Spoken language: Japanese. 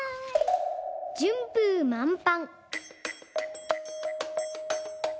「順風満帆」。